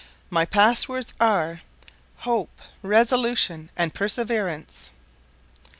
My pass words are, 'Hope! Resolution! and Perseverance!'"